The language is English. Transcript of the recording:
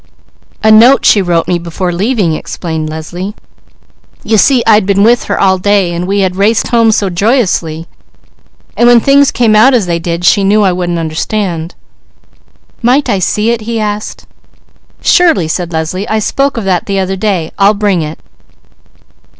"A note she wrote me before leaving," explained Leslie. "You see I'd been with her all day and we had raced home so joyously; and when things came out as they did, she knew I wouldn't understand." "Might I see it?" he asked. "Surely," said Leslie. "I spoke of that the other day. I'll bring it."